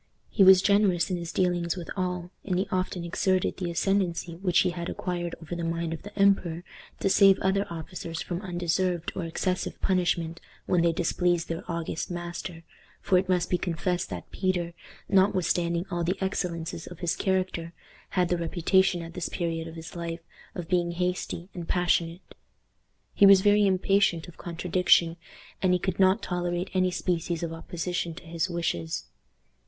He was generous in his dealings with all, and he often exerted the ascendency which he had acquired over the mind of the emperor to save other officers from undeserved or excessive punishment when they displeased their august master; for it must be confessed that Peter, notwithstanding all the excellences of his character, had the reputation at this period of his life of being hasty and passionate. He was very impatient of contradiction, and he could not tolerate any species of opposition to his wishes.